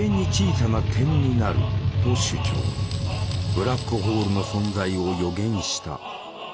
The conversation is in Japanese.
ブラックホールの存在を予言した。